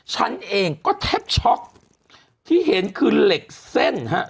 ฉันเองก็แทบช็อกที่เห็นคือเหล็กเส้นฮะ